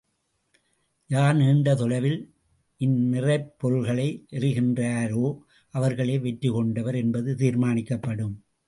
யார் நீண்ட தொலைவில் இந்நிறைப் பொருள்களை எறிகின்றனரோ அவர்களே வெற்றி கொண்டவர் என்பது தீர்மானிக்கப்படும்.